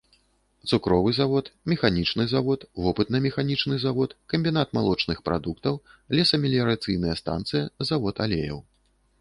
Цукровы завод, механічны завод, вопытна-механічны завод, камбінат малочных прадуктаў, лесамеліярацыйная станцыя, завод алеяў.